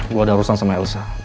gue ada urusan sama elsa